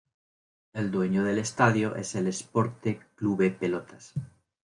El dueño del estadio es el Esporte Clube Pelotas.